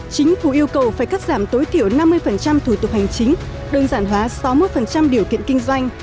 chính phủ yêu cầu phải cắt giảm tối thiểu năm mươi thủ tục hành chính đơn giản hóa sáu mươi một điều kiện kinh doanh